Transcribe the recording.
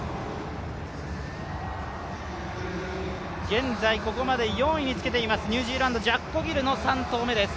現在、ここまで４位につけていますニュージーランド、ジャッコ・ギルの４投目です。